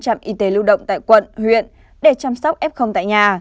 trạm y tế lưu động tại quận huyện để chăm sóc f tại nhà